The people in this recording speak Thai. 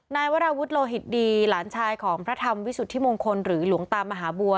นายวราวุฒิโลหิตดีหลานชายของพระธรรมวิสุทธิมงคลหรือหลวงตามหาบัว